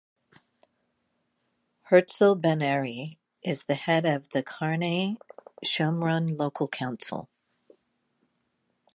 Herzl Ben-Ari is the head of the Karnei Shomron Local Council.